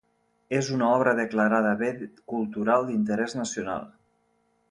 És una obra declarada bé cultural d'interès nacional.